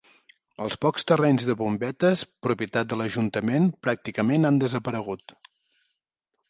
Els pocs terrenys de bombetes propietat de l'ajuntament pràcticament han desaparegut.